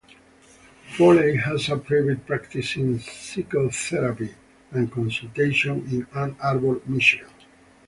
Foley has a private practice in psychotherapy and consultation in Ann Arbor, Michigan.